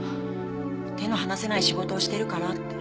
手の放せない仕事をしてるからって。